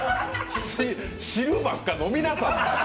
汁ばっか飲みなさんな！